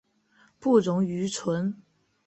不溶于醇。